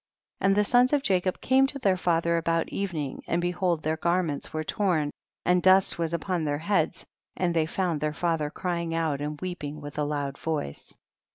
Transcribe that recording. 18. And the sons of Jacob came to their father about evening, and behold their garments were torn and dust was upon their heads, and they found their father crying out and weeping with a loud voice.